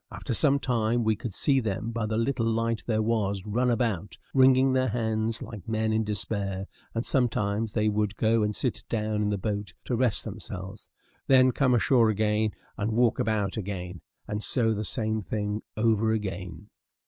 After some time we could see them, by the little light there was, run about, wringing their hands like men in despair, and sometimes they would go and sit down in the boat to rest themselves, then come ashore again, and walk about again, and so the same thing over again.